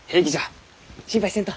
心配せんと。